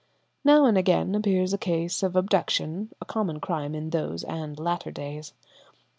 Now and again appears a case of abduction, a common crime in those and later days.